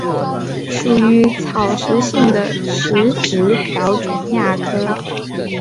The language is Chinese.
属于草食性的食植瓢虫亚科。